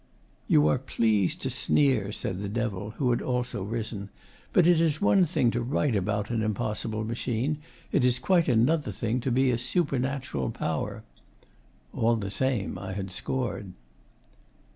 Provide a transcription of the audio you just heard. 'You are pleased to sneer,' said the Devil, who had also risen, 'but it is one thing to write about an impossible machine; it is a quite other thing to be a Supernatural Power.' All the same, I had scored.